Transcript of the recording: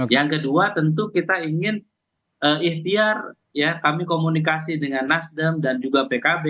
yang kedua tentu kita ingin ikhtiar ya kami komunikasi dengan nasdem dan juga pkb